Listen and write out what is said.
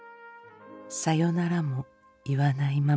「さよならも言わないままで」。